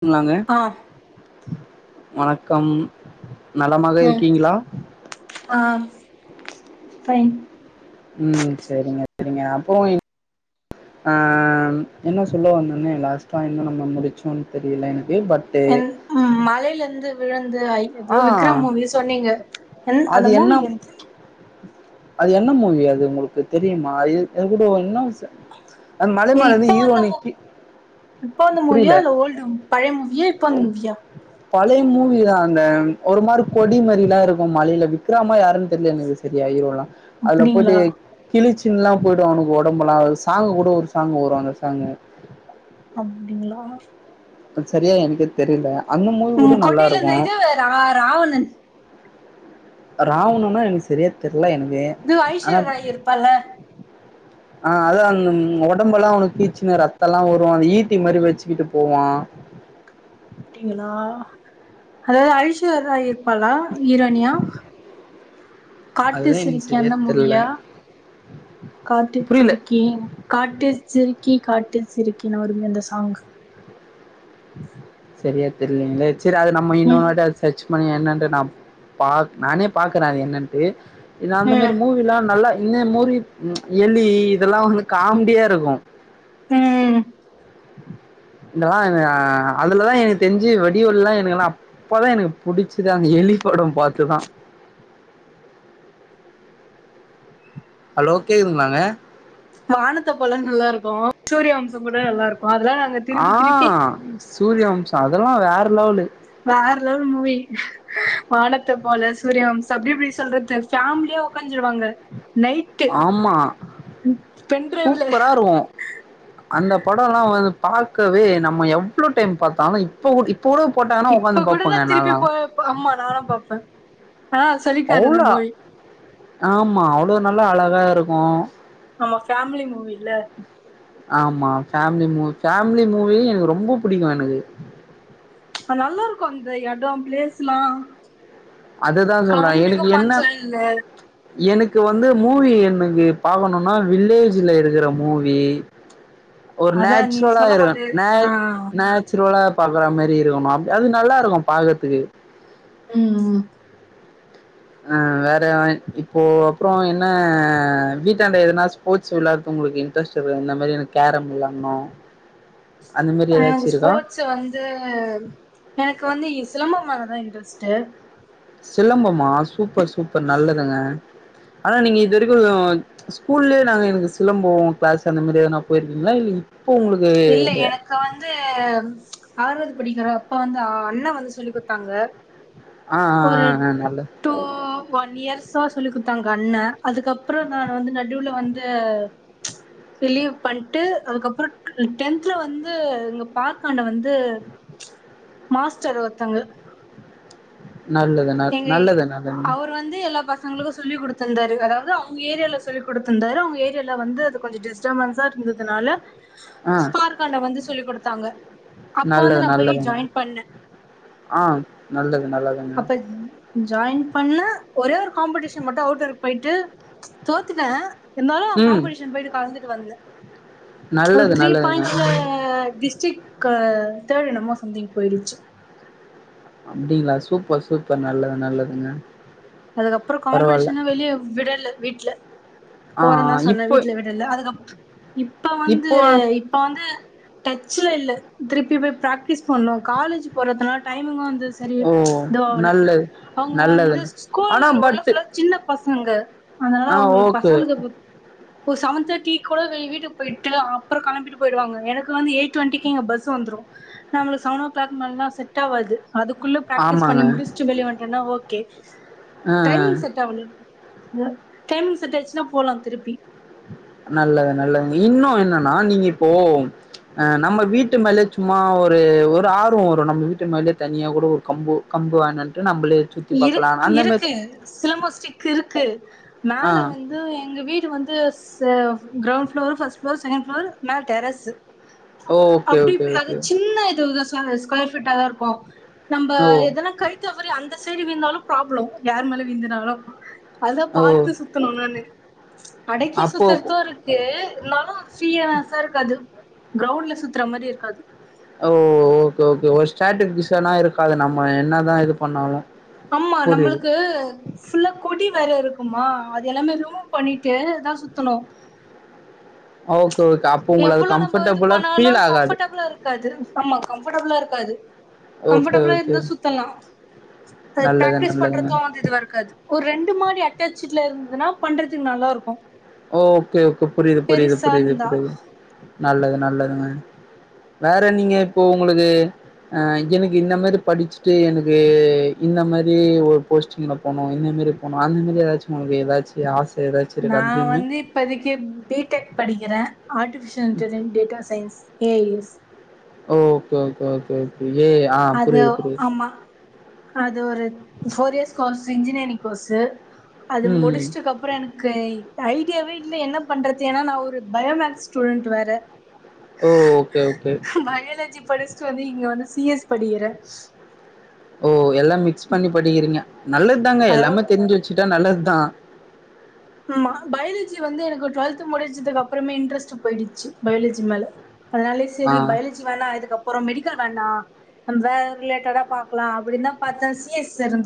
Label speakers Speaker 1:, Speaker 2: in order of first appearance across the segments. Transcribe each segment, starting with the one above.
Speaker 1: சொன்னாங்க
Speaker 2: ஆ
Speaker 1: வணக்கம் நலமாக
Speaker 2: ம்
Speaker 1: இருக்கீங்களா
Speaker 2: பைன்
Speaker 1: உம் சரிங்க சரிங்க அப்போ ஆ என்ன சொல்ல வந்தோனே லாஸ்டா இன்னு நம்ம முடிச்சோன் தெரியல எனக்கு பட்டு
Speaker 2: உ மழையில இருந்து உ
Speaker 1: ஆ
Speaker 2: [unintelligible] விக்ரம் மூவி சொன்னீங்க என் அந்த
Speaker 1: அது
Speaker 2: மூவி
Speaker 1: என்ன
Speaker 2: நேம்
Speaker 1: அது என்ன மூவி அது உங்களுக்கு தெரியுமா கூட என்ன விசம் [unintelligible]
Speaker 2: ஏ இப்ப வந்த இப்ப வந்த மூவியா
Speaker 1: புரியல
Speaker 2: இல்ல ஓல்டு பழைய மூவியா இப்ப வந்த மூவியா
Speaker 1: பழைய மூவி தா இந்த ஒரு மாரி கொடிமாரிலா இருக்கு மலையில விக்ரமா யாருன்னு தெரியல எனக்கு சரியா ஈரோலாம் அதுல போய்ட்டு
Speaker 2: அப்டிங்களா
Speaker 1: கிளிச் ாம் போயிட அவனுக்கு உடம்பெலா சாங்கு கூட ஒரு சாங்கு வரும் அந்த சாங்கு
Speaker 2: அப்டீங்ளா
Speaker 1: சரியா எனக்கே தெரியல அந்த மூவி கூட
Speaker 2: உம்
Speaker 1: நல்லா
Speaker 2: கொடியில இந்த
Speaker 1: இருக்கு
Speaker 2: இது ரா ராவணன்
Speaker 1: ராவணன்னா எனக்கு சரியா தெரி
Speaker 2: இது ஐஸ்வராய் இருப்பால
Speaker 1: ஆ அதான் அந்த உடம்பல்லா கீச்சின்னு ரத்தல்லா வரு அந்த ஈட்டி மாரி வச்சுக்கிட்டு போவான்
Speaker 2: அப்டிங்களா அதாவது ஐஸ்வரராய் எப் ப்பலா கீரோனியா காட்டு
Speaker 1: அதுதா எனக்கு
Speaker 2: சிரிக்கி
Speaker 1: சரியா
Speaker 2: அந்த
Speaker 1: தெர்ல
Speaker 2: மூவியா காட்டு
Speaker 1: புரியல
Speaker 2: சிரிக்கி காட்டு சிரிக் க்கி காட்டு சிரிக்கினுவருமே அந்த சாங்
Speaker 1: சரியா தெரியலங்களே சரி அது நம்ம
Speaker 2: ம்
Speaker 1: இன்னோனுவாட்டி அது சச் ணி என்னன்ட்டு நா பா நானே பாக்குறே அது என்னன்ட்டு இது அந்த
Speaker 2: ம்
Speaker 1: மாரி மூவில்லா நல்லா இன்னொரு மூவி எலி இதெல்லா வந்து காமெடியா இருக்கு
Speaker 2: உம்ம்
Speaker 1: இதல்லா அதுலதா எனக்கு தெரிஞ்சு வெடிவால எல்லா எனக்குல்லா அப்பதா எனக்கு புடிச்சுது அந்த எலி படம் பாத்துதா ஹலோ கேக்குதுங்களாங்க
Speaker 2: வானத்தை போல நல்லா இருக்கு சூரிய வம்
Speaker 1: ஆ சூரியவம்சம் அதெல்லா வேற லெவலு
Speaker 2: வேற லெவல் மூவி வானதா த்துப் போல சூரியவம்சோ அப்டி எப்டி சொல்றது ஃபேம்லியா உக்காந் பிருஞ்சுருவாங்க நைட்டு
Speaker 1: ஆமா
Speaker 2: பெண் டிரைவுல
Speaker 1: சூப்பரா இருக்கு அந்த படோலா வந்து பாக்கவே நம்ம எவ்ளளோ டைம் பாத்தாலு இப்ப கூட இப்
Speaker 2: இப்ப கூட நா திருப்பி போ போ ஆமா நாலா பாப்ப
Speaker 1: அவ்ளா ஆமா அவ்ளோ நல்லா அழகா இருக்கு
Speaker 2: நம்ம ஃபேம்லி மூவி இல்ல
Speaker 1: ஆமா ஃபேம்லி மூவி ஃபேம்லி மூவி எனக்கு ரொம்பா புடிக்கு எனக்கு
Speaker 2: நல்லா இருக்கு அந்த எடோ பிளேஸ்லா
Speaker 1: அதுதா சொல்ற எனக்கு
Speaker 2: காமெடிக்கு
Speaker 1: என்ன
Speaker 2: பஞ்சோ இல்ல
Speaker 1: எனக்கு வந்து மூவி எனக்கு பாக்கணுனா வில்லேஜ்ல எடுக்குற மூவி ஒரு
Speaker 2: அதா நீ
Speaker 1: நேச்சுரலா
Speaker 2: சொல்லும் போது
Speaker 1: இருக்க
Speaker 2: ஆ
Speaker 1: நேச் நேச்சுரலா பாக்குற மாதிரி இருக்கணுமா அப் அது நல்லா இருக்கு பாக்குறத்துக்கு
Speaker 2: ம் ம்
Speaker 1: ஆ வேற இப்போ அப்புறோ என்ன வீட்டாண்ட எதுனா ஸ்போர்ட்ஸ் விளையாடுறது உங்களுக்கு இன்ட்ரெஸ்ட் இருக்குது இந்த மாரி எதுனா கேரம் விளையாடனுமா
Speaker 2: அ அந்த ஸ்போட்ஸ் வந்து எனக்கு வந்து சிலம்பம் மேலதா இன்ட்ரெஸ்ட்டு
Speaker 1: சிலம்பமா சூப்பர் சூப்பர் நல்லதுங்க ஆனா நீங்க இது வரைக்கு ஸ்கூல்லயே நாங்க எனக்கு சிலம்போ கிளாஸ் அந்த மாரி எதுனா போயிருக்கீங்களா இல்ல இப்
Speaker 2: இல்ல எனக்கு வந்து ஆறாவது படிக்குற அப்போ வந்து அண்ண வந்து சொல்லி குடுத்தாங்க
Speaker 1: ஆ ஆ ஆ நல்லது
Speaker 2: ஒன் இயர்ஸ்ஸா சொல்லி குத்தாங் கண்ண அதுக்கப்புறோ நானு வந்து நடுவுல வந் ந்த ம்ச் வெளிய பண்ட்டு அதுக்கப்புறோ டென்துல வந்து இங்க பார்க்காண்ட வந்து மாஸ்டர் ஒருத்தவங்க
Speaker 1: நல்லது ந
Speaker 2: எங்க
Speaker 1: நல்லது நல்லதுங்க
Speaker 2: அவர் வந்து எல்லா பசங்களுக்கு சொல்லி குடுத்துருந்தார் ரு அதாவது அவங்க ஏரியால சொல்லி் குடுத்துருந்தாரு அவங்க ஏரியால வந்து அது கொஞ்சோ டிஸ்டர்பன்ஸா இருந்ததுனால
Speaker 1: ஆ
Speaker 2: ஸ்ப்பார்காண்டா வந்துஸ் சொல்லி குடுத்தாங்க
Speaker 1: நல்லது நல்லதுங்க ஆ நல்லது நல்லது
Speaker 2: அப்பத் ஜாயின் பண்ண ஒரே ஒரு காம்படிஷன் மட்டு அவுட்டருக்கு போயிட்டு தோத்துட்ட இருந்தாலும்
Speaker 1: ம்
Speaker 2: காம்பட்டீஷன் போயிட்டு கலந்துட்டு வந்தேன் [inaudible] ஒரு
Speaker 1: நல்லது
Speaker 2: த்ரீ
Speaker 1: நல்லதுங்க
Speaker 2: பாயிண்ட்ஸ் ல டிஸ்டிக் க தேர்ட் என்னமோ சம்திங் போயிடுச்சு
Speaker 1: அப்டிங்களா சூப்பர் சூப்பர் நல்லது நல்லதுங்க
Speaker 2: அதுக்கப்புறம்
Speaker 1: பரவால்ல
Speaker 2: காம்பட்டீஷன் வெளியே விடலை வீட்டுல
Speaker 1: ஆ
Speaker 2: போறேன்னு தான் சொன்னேன்
Speaker 1: இப்போ
Speaker 2: வீட்ல விடல அதுக் அப் இப்ப வந்து
Speaker 1: இப்போ
Speaker 2: இப்ப வந்து டெக்சைலு திருப்பி போய் பிராக்டிஸ் பண்ணும் காலேஜ் போறதுனால டைம்மும் செரி
Speaker 1: ஓ
Speaker 2: தாலு
Speaker 1: நல்லது
Speaker 2: அவுங்க வந்து
Speaker 1: நல்லதுங்க
Speaker 2: ஸ்கூல்
Speaker 1: ஆனா
Speaker 2: உள்ள
Speaker 1: பட்டு
Speaker 2: ஃபுல்லா சின்ன பசங்க அதனால அவுங்களுக்கு பசங்களுக் செவன் தேர்ட்டி கூட வீட்டுக்கு போயிட்டு அப்புறம் கெழம்பிட்டு போயிருவாங்க எனக்கு வந்து எயிட் டுவெண்டிக்கு எங்க பஸ் வந்துரும் நம்மளுக்கு செவன் ஓ கிளாக் மேல எல்லாம் செட் ஆவாது அதுக்குள்ள பிராக்டிஸ்
Speaker 1: ஆமாங்க
Speaker 2: பண்ணி முடிச்சுட்டு வெளிய வந்துட்டேனா ஓ கே
Speaker 1: ஆ ஆ
Speaker 2: டைமிங் செட்ட ஆவல டைமிங் செட் ஆயிடுச்சுன்னா போலாம் திருப்பி
Speaker 1: நல்லது நல்லதுங்க இன்னும் என்னன்னா நீங்க இப்போ அ நம்ம வீட்டு மேலயே சும்மா ஒரு ஒரு ஆர்வம் வரும் நம்ம வீட்டு மேலேயே தனியா கூட ஒரு கம்பு கம்பு வேணாட்டு
Speaker 2: இருக் இருக்கு சேமோ ஸ்டிக் இருக்கு
Speaker 1: ஆ
Speaker 2: மேல வந்து எங்க வீடு வந்து செ ground floor first floor second floor மேல டெரஸ்
Speaker 1: ஓகே
Speaker 2: அப்படி
Speaker 1: ஓகே
Speaker 2: அது
Speaker 1: ஓகே
Speaker 2: சின்ன இதுதான் ஸ்கொயர் பீட்டா தான் இருக்கும் நம்ம
Speaker 1: ஓ
Speaker 2: எதனா கழித்த மாதிரி அந் இந்த சைடு விழுந்தாலும் ப்ராப்ளம் யாரு மேல விழுந்தனாலும் அதான்
Speaker 1: ஓ
Speaker 2: பார்த்து சுத்தணும் என்னன்னு அடைக்கி
Speaker 1: அப்போ
Speaker 2: சுத்துறதும் இருக்கு இருந்தாலும் சீரியஸ்சா இருக்காது கிரவுண்ட்ல சுத்துற மாரி இருக்காது
Speaker 1: ஓ ஓகே ஓகே ஒரு ஸ்டேட்டர்ஜினா இருக்காது நம்ம என்னதான் இது பண்ணாலு
Speaker 2: ஆமா
Speaker 1: புரியுது
Speaker 2: நம்மளுக்கு ஃபுல்லா கொடி வேற இருக்கு இருக்குமா அது எல்லாமே ரிமூவ் பண்ணிட்டு தா சுத்தணு
Speaker 1: ஓகே ஓகே அப்போ உங்கள அது
Speaker 2: எவ்வளவு நம்ம இது
Speaker 1: கம்ஃபர்டபுளா
Speaker 2: பண்ணாலு
Speaker 1: ஃபீல் ஆகாது
Speaker 2: கம்ஃபர்டபுளா இருக்காது ஆமா கம்ஃபர்டபுளா இருக்காது
Speaker 1: ஓகே
Speaker 2: கம்ஃபர்டபுளா
Speaker 1: ஓகே
Speaker 2: இருந்த சுத்தலா
Speaker 1: நல்லது
Speaker 2: பிராக்டிஸ்
Speaker 1: நல்லதுங்க
Speaker 2: பண்றது வந்து இதுவா இருக்காது ஒரு ரெண்டு மாதிரி டச்சுல இருந்ததுனா பண்றதுக்கு நல்லா இருக்கு
Speaker 1: ஓ ஓகே ஓகே புரியுது புரியுது புரியுது
Speaker 2: இருந்தா
Speaker 1: புரியுது நல்லது நல்லதுங்க வேற நீங்க இப்போ உங்களுக்கு ஆ எனக்கு இந்த மாதிரி படிச்சுட்டு எனக்கு இந்த மாதிரி ஒரு போஸ்டிங்ல போனோ இந்த மாதிரி போனோ அந்த மாதிரி ஏதாச்சு உங்களுக்கு ஏதாச்சு ஆசை ஏதாச்சு இருக்கா
Speaker 2: நான் வந்து இப்போதைக்கு பி டெக் படிக்கிறே artificial intelligent data science A I S
Speaker 1: O okay okay okay விஜய்யா ஆ
Speaker 2: அது
Speaker 1: புரியுது புரியுது
Speaker 2: ஆமா அது ஒரு four years course engineering course அது
Speaker 1: ம்
Speaker 2: முடிச்சுட்டுக்கு அப்றோ எனக்கு ஐடியாவே இல்ல என்ன பண்றது ஏன்னா நா ஒரு பயோமேக்ஸ் ஸ்டூடெண்டட் வேற
Speaker 1: ஓ ஓகே ஓகே
Speaker 2: படிச்ட்டு வந்து இங்க வந்து சி எஸ் படுகிற
Speaker 1: ஓஓ எல்லாம் மிக்ஸ் பண்ணி படிக்கிறீங்க நல்லது தாங்க எல்லாமே
Speaker 2: அதாவது
Speaker 1: தெரிஞ்சு வச்சுகிட்டா நல்ல இருடா
Speaker 2: ஆ பயாலஜி வந்து எனக்கு டுவெல்த் முடிஞ்சதுக்கு அப்புறமே இன்ட்ரெஸ்ட் போயிடுச்சு பயாலஜி மேல அதனாலே
Speaker 1: ஆ
Speaker 2: சரி பயலஜீவ வோனா அதுக்கப்புறம் அப்றோ மெடிக்கல் வேண்டா வேற‌ ரிலேட்டடா பாக்கலா அப்டிதா பாத்தா சி ஸ் இரு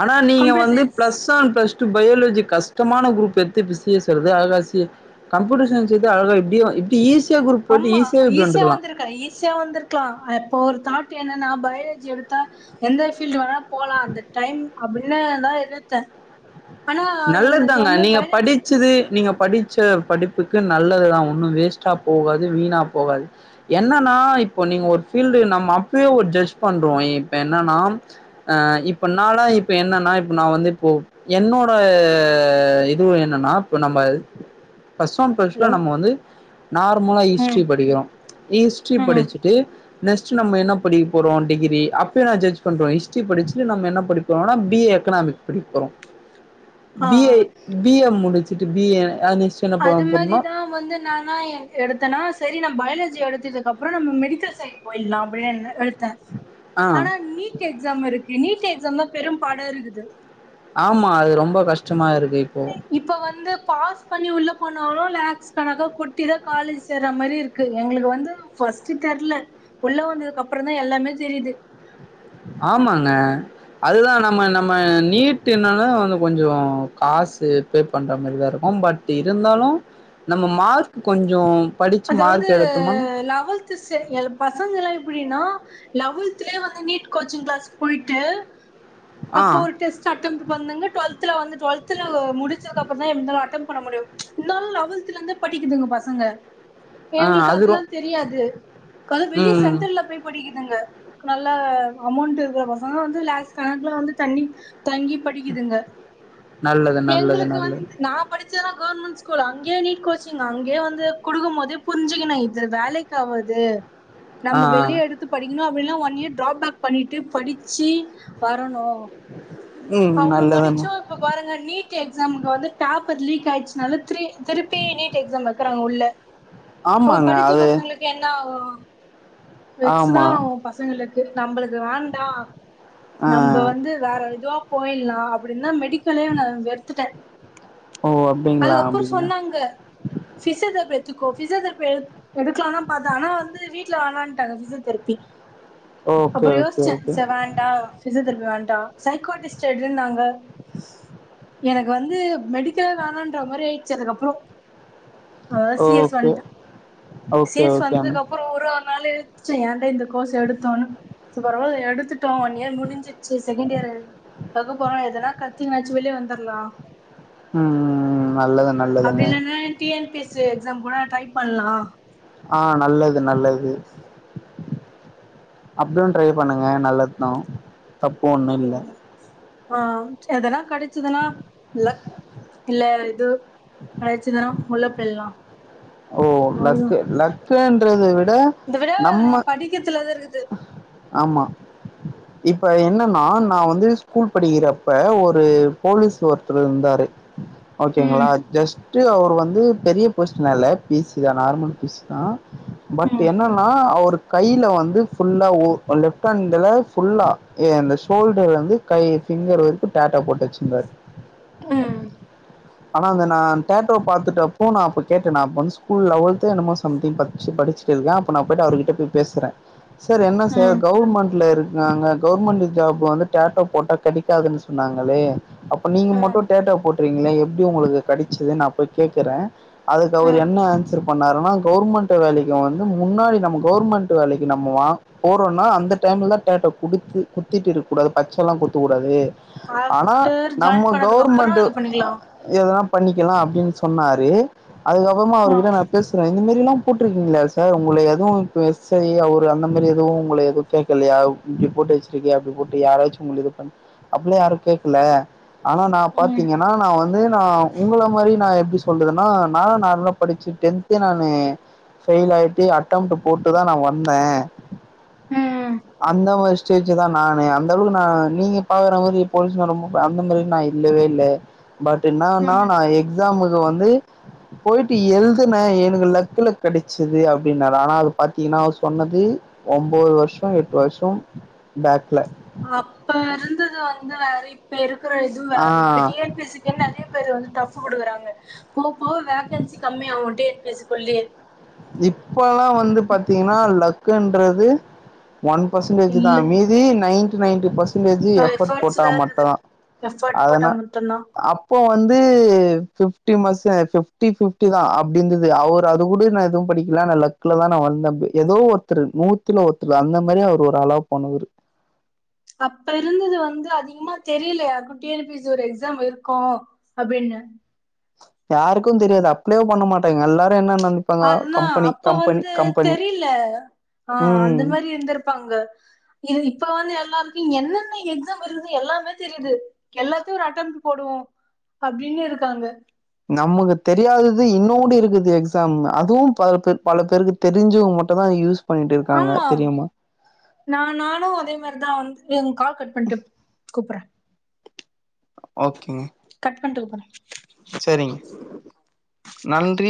Speaker 1: ஆனா நீங்க வந்து plus one plus two biology கஷ்டமான குரூப் எடுத்து இப்ப சி எஸ் வருது அதுல கம்ப்யூட்டர் சயின்ஸ் வந்து அழகா இப்டி ஈஸி
Speaker 2: ஆமா ஈஸியா வந்திருக்கா ஈஸியா வந்திருக்கலா இப்ப ஒரு தாட் என்ன நா பயாலஜி எடுத்தா எந்த ஃபீல்ட வேனா போலாம் அந்த டைம் அப்புன்னேதா இழுத்தே
Speaker 1: நல்லது தாங்க நீங்க படிச்சது நீங்க படிச்ச படிப்புக்கு நல்லதுதா ஒன்னு வேஸ்ட்டா போகாது வீணா போகாது என்னன்னா இப்போ நீங்க ஒரு பீல்டு நம்ம அப்பயே ஒரு ஜட்ஜ் பண்றோ இப்ப என்னன்னா இப்பனால இப்ப என்னன்னா இப்ப ந வந்து இப்போ என்னோட ப் இது என்னன்னா இப்ப நம்ம ஃபஸ்ட ஒன் ஃபஸ்ட்ல
Speaker 2: ஹலோ
Speaker 1: நம்ம வந்து நார்மலா ஹிஸ்ட்ரி
Speaker 2: ம்
Speaker 1: படிக்கிறோ ஹிஸ்ட்ரி
Speaker 2: ம்
Speaker 1: படிச்சுட்டு நெக்ஸ்ட் நம்ம என்ன படிக்க போறோ டிகிரி அப்பயே நா ஜட்ஜ் பண்றோ ஹிஸ்ட்ரி படிச்சுட்டு நம்ம என்ன படிக்க போறோனா பி ஏ எக்கனாமிக் படிக்க போறோ பி ஏ
Speaker 2: ஆ
Speaker 1: பி எ முடிச்சு [unintelligible] பி ஏ நெக்ஸ்ட் என்ன பண்ண
Speaker 2: அது
Speaker 1: போறோனா
Speaker 2: மாரிதா வந்து நானா எனக் எடுத்தேனா சரி நம் பயாலஜி எடுத்ததுக்கப்புறோ நம்ம மெடிக்கல் சைட் போயிட்லா அப்டின்னு எடுத்து
Speaker 1: ஆ
Speaker 2: தேஆனா நீட் எக்ஸாம் இருக்கு இ நீட் எக்ஸாம் தா பெரும் பாடா இருக்குது
Speaker 1: ஆமா அது ரொம்ப கஷ்டமா இருக்
Speaker 2: இப்ப வந்து பாஸ் பண்ணி உள்ள போனாலு லாக்ஸ் கனக்கா கொட்டி தா காலேஜ் சேர்ற மாதிரி இருக்கு எங்களுக்கு வந்து ஃபஸ்ட்டு தெரியல உள்ள வந்ததுக்கு அப்புறந்தா எல்லாமே தெரியுது
Speaker 1: ஆமாங்க அதுதா நம்ம நம்ம நீட் என்னாலு வந்து கொஞ்ச காசு எப்பேர் பண்ற மாரிதா இருக்கு பட் இருந்தாலு நம்ம மார்க் கொஞ்சோ படிச்சு
Speaker 2: அதாவது
Speaker 1: மார்க் எடுத்தோம்னா
Speaker 2: லவல்த் சே பசங்க எல்லா எப்டின்னா லெவல்த்லயே வந்து நீட் கோச்சிங் கிளாஸ் போயிட்டு
Speaker 1: ஆ
Speaker 2: அப்போ ஒரு டெஸ்ட் அட்டம் பண்ணுங்க டுவெல்தல வந்து ட்வெல்துல முடிச்சதுக்கப்றோந்தா [unintelligible] அட்டம் பண்ண முடியு இருந்தாலு லெவன்த்ல இருந்து படிக்குதுங்க பசங்க
Speaker 1: ஆ
Speaker 2: எங்களுக்கு
Speaker 1: அது ரொ
Speaker 2: அதுல்லா தெரியாது அதத வெளிய
Speaker 1: ம்
Speaker 2: சென்டர்ல போய் படிக்க ல்லங்க நல்ல அமௌண்ட் இருக்கற பசங்க வந்து லாஸ்க் கணக்குல வந்து தண்ணி தங்கி படிக்குதுங்க
Speaker 1: நல்லது நல்லது
Speaker 2: எங்களுக்கு வந்து
Speaker 1: நல்லது.
Speaker 2: நா படி [unintelligible] கவர்மெட்ஸ்கூல் அங்கயே நீட் கோச்சிங் அங்கே வந்து கொடுக்கும் போது [unintelligible] புரிஞ்சுக்கணு இத வேலைக்காவாது
Speaker 1: ஆ
Speaker 2: நம்ம வெளிய எடுத்து படிக்கணு அப்படில்லானா ஒன் இயர் ட்ரா பேக் பண்ணி இது படிச்சி வரணு
Speaker 1: ம்
Speaker 2: அவ்ளு
Speaker 1: நல்லதுண்ணா.
Speaker 2: படிச்சோ இப்ப பாருங்க நீட் எக்ஸாம்க் வந்து டேப் ப்பே லீக் ஆய்ச்சுனால த்ரி திருப்பி நீட் எக்ஸாம் வச்சா க்கங்க உள்ள அப்ப
Speaker 1: ஆமாங்க
Speaker 2: படிச்ச
Speaker 1: அது
Speaker 2: பசங்களுக்கு என்னாகனு [inaudible] ரக்ஸ் தா
Speaker 1: ஆமா.
Speaker 2: ஆகு பசங்க இல்ல நம்மளுக்கு வேண்டா
Speaker 1: ஆ
Speaker 2: நம்ம வந்து வேற எதுவா போய் நா அப்டினா மெடிக்கலே நா வெறுத்துட்டே
Speaker 1: ஓ அப்டிங்களா
Speaker 2: அதுக்கப்றோ
Speaker 1: அப்டிங்களா.
Speaker 2: சொன்னாங்க பிசியோதரபி பிசியோதெரிபி எடுக்கலானு பார்த்தே ஆனா வந்து வீட்ல வேணான்ட்டாங்க பிசியோதெரபி
Speaker 1: ஓகே
Speaker 2: அப்றோ
Speaker 1: ஓகே
Speaker 2: யோசிச்சே
Speaker 1: ஓகே.
Speaker 2: சரி வேண்டா பிசியோதெரபி வேண்டா சைக்காடிஸ்ட் எடுன்னாங்க எனக்கு வந்து மெடிக்கல் வேண்டான்ற மாரி ஆயிடுச்சு அதுகப்றோ ஹஸ் சி எஸ்
Speaker 1: ஓகே.
Speaker 2: வந்து சி
Speaker 1: ஓகே
Speaker 2: எஸ்
Speaker 1: ஓகே அண்ணா.
Speaker 2: வந்ததுக்கு அப்றோ ஒரு ஆள் ஒருநாளு சே ஏன்ட இந்த கோர்ஸ் எடுத்தோன்னு பரவால எடுத்துட்டோ ஒன் இயர் முடிஞ்சிச்சு செகண்ட் இயர் அக்க போறோ எதுனா கத்தினாச்சு வெளிய வந்துரலா
Speaker 1: உம் உம் நல்லது நல்லதுங்க
Speaker 2: உம் ட்ரை பண்லா
Speaker 1: ஆ நல்லது நல்லது அப்டியு ட்ரை பண்ணுங்க நல்லது தா தப்போ ஒன்னு இல்ல
Speaker 2: ஆ எதனா கடைச்ச எதனா இல்லக் இல்ல இது கடைச்சிதுனா உள்ளப்பேரலா
Speaker 1: ஓ லக்கு லக் லக்குன்றது விட
Speaker 2: இத விடா
Speaker 1: நம்ம
Speaker 2: படிக்கிரத்துல தா இருக்குது
Speaker 1: ஆமா இப்ப என்னன்னா நா வந்து ஸ்கூல் படிக்கிறப்ப ஒரு போலீஸ் ஒருத்தர் இருந்தாரு ஓகேங்ளா
Speaker 2: ம்
Speaker 1: ஜஸ்ட் ட்டு அவர் வந்து பெரிய போஸ்ட்னல பி சி தா நார்மல் பி சி தா பட்
Speaker 2: ம்
Speaker 1: என்னன்னா அவரு கைய்ல வந்து ஃபுல்லா ஓ லெஃப்ட் ஹண்ட்ல ஃபுல்லா இந்த ஷோல்டர் வந்து கை ஃபிங்கர் வரைக்கு டேட்டொ போட்டு வச்சிருந்தாரு
Speaker 2: உம்
Speaker 1: ஆனா அந்த நா டோட்டொ பாத்துட்டுஅப்றோ நா கேட்டே நா அப்போ வந்து ஸ்கூல் லெவல்தோ என்னமோ சம்திங் படிச்சிட்டு இருக்கே அப்போ நா போயிட்டு அவர்கிட்ட போய் பேசுறே சார் சார்
Speaker 2: ம்
Speaker 1: கவர்மெண்ட்ல இருக் காங்க கவுர்மெண்ட்டு ஜாபு வந்து டேட்டு போட்டா கெடக்காதுன்னு சொன்னாங்களே அப்ப நீங்க
Speaker 2: ம்
Speaker 1: மட்டு டேட்டூ போட் றீங்களே எப்டி உங்களுக்கு கெடச்சது நா போய் கேக்குறே அதுக்கு அவரு
Speaker 2: ம்
Speaker 1: என்ன ஆன்சர் பண்ணாருனா கவுர்மென்ட்டு வேலைக்கு வந்து முன்னாடி நம்ம கவுர்மென்ட் வேலைக்கு நம்ம வா போறோன்னா அந்த டைம்லலா டேட்டோ குடுத்து குத்திட்டு இருக்கூடாது பச்சல்லா குத்து கூடாது ஆனா
Speaker 2: ஆஃப்டர் ஜாயின்
Speaker 1: நம்ம
Speaker 2: பண்ணதுக்கு அப்புறோ
Speaker 1: கவுர்மென்டு
Speaker 2: இது பண்ணிக்கலா
Speaker 1: எதனா பண்ணிக்கலா அப் டின் சொன்னாரு அதுக்கபுறமா
Speaker 2: ஆ
Speaker 1: அவர்கிட்ட நா பேசுறே இந்த மா ரில்லா போட்ருக்கீங்ளா சார் உங்கள எதுவு இப்ப எஸ் ஐ அவர் அந்த மாரி எ துவு உங்கள எது கேக்கலயா இப்டி போட்டு வச்சிருக்கியே அப்டி போட்டு யாராச்சு உங்ள இது பண் அப்டில்லா யாரு கேக்கல ஆனா நா
Speaker 2: ம்
Speaker 1: பாத்தீங்கனா நா வந்து நா உங்கள மாரி நா எ ப்டி சொல்லறதுன்னா நா நார்மலா படிச்சு டென்த்தே நானு ஃபெயில் ஆயிட்டு அட்டம்ட்டு போட்டுதா நா வந்தே
Speaker 2: ம்.
Speaker 1: அந்தமாரி செயிச்சுதா நானு அந்தளவுக்கு நா நீங்க பாக்குற மாரி போலீஸ்னா ரொம்ப அந்த மாரி நா இல்லவே இல்ல பட் இன்னானா
Speaker 2: ம்.
Speaker 1: நா எக் ஸாமுக்கு வந்து போயிட்டு எழுதுனே எனக்கு லக்குல கெடச்சுது அப்டின்னாரு ஆனா அது பாத்தீங்கனா அவர் சொன்னது ஒம்போது வருஷொ எட்டு வருஷம்
Speaker 2: அப்பருந்தது வந் து வேற இப்ப இரு க்குற இது
Speaker 1: ஆ
Speaker 2: வேற இப்ப டி என் பி சி க்குன் நெறைய பேர் வந்து டஃப் குடுக்குறாங்க போ போக வேகன்சி கம்மியாவு டி என் பி சி குள்ளயே
Speaker 1: இப்பல்லா வந்து பாத்தீங்கனா லக்குன்றது ஒன் பர்சன்டேஜு தா
Speaker 2: இல்ல
Speaker 1: மீதி நைன் நைன்ட்டி பர்ஸ ன்டேஜு
Speaker 2: அ
Speaker 1: எஃபர்ட்
Speaker 2: எஃபர்ட்ஸ்
Speaker 1: போட்டா
Speaker 2: தான்
Speaker 1: மட்டு
Speaker 2: இருக்குது.
Speaker 1: தா
Speaker 2: எஃபர்ட் போட்டா
Speaker 1: அதன
Speaker 2: மட்டும்தான்.
Speaker 1: அப்போ வந்து ஃபி ஃப்டி மச ஃபிஃப்டி ஃபிஃப்டி தா அப்டிந்தது அவர் அது கூட நா எ து படிக்கல நா லக்குலதா நா வந்தேம்பி‌ எதோ ஒருத்தரு நூத்துல ஒருத்தரு அந்த மாரி அவர் ஒரு ஆளா போனவரு
Speaker 2: அப்ப இருந்தது வந்து அதிகமா தெரியல யாருக்கு டி என் பி சி ஒரு எக்ஸாம் இருக்கு அப்டின்னு
Speaker 1: யாருக்கு தெரியாது அப்ளேவு பண்ண மாட்டாங்க எல்லா
Speaker 2: அதுதா அப்ப வந்து
Speaker 1: கம்பெனி.
Speaker 2: தெரில ஆ
Speaker 1: ம்.
Speaker 2: அந்த மாரி இருந்துருப்பாங்க இது இப்ப வந்து எல்லா என்னென்ன எக்ஸாம் வருது எல்லாமே தெரியுது எல்லாத்தையு ஒரு அட்டம் போடுவோ அப்பிடின்னு இருக்காங்க
Speaker 1: நம்க்கு தெரியாதது இன்னோடி இருக்குது எக்ஸாம் அதுவு பல பேர் பல பேருக்கு தெரிஞ்சிவு மட்டுதா யூஸ் பண்ணிட்டு இருக்காங்க
Speaker 2: ஆமா
Speaker 1: தெரியுமா?
Speaker 2: நா நானு அதே மாரி தா வந்து கால் கட் பண்ட்டு கூப்பறே
Speaker 1: ஓகேங்க
Speaker 2: கட் பண்ட்டு கூப்போறே
Speaker 1: சரிங்க. நன்றி